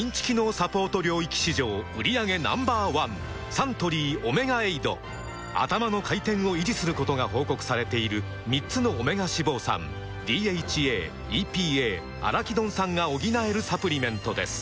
サントリー「オメガエイド」「アタマの回転」を維持することが報告されている３つのオメガ脂肪酸ＤＨＡ・ＥＰＡ・アラキドン酸が補えるサプリメントです